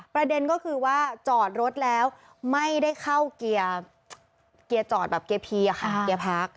ประเด็นก็คือว่าจอดรถแล้วไม่ได้เข้าเกียร์จอดแบบเกียร์พีอะค่ะเกียร์พัก